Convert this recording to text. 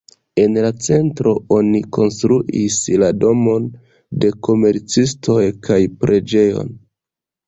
En la centro oni konstruis la domon de komercistoj kaj preĝejon.